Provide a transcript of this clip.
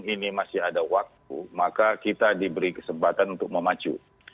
ini masih ada waktu maka kita diberi kesempatan untuk memacu